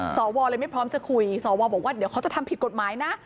สวเลยไม่พร้อมจะคุยสวบอกว่าเดี๋ยวเขาจะทำผิดกฎหมายนะ